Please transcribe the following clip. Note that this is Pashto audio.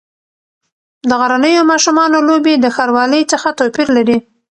د غرنیو ماشومانو لوبې د ښاروالۍ څخه توپیر لري.